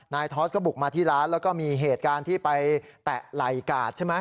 ทอสก็บุกมาที่ร้านแล้วก็มีเหตุการณ์ที่ไปแตะไหล่กาดใช่ไหม